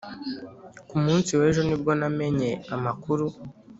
ku munsi w'ejo ni bwo namenye amakuru. (